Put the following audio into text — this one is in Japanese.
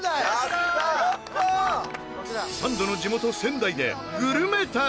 サンドの地元仙台でグルメ旅！